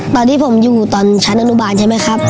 ตอนที่ผมอยู่ตอนชั้นอนุบาลใช่ไหมครับ